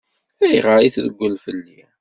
Ayɣer i treggel fell-i?